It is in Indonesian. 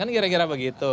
kan kira kira begitu